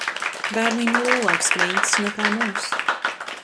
Bērniem ir lielāks kreņķis nekā mums.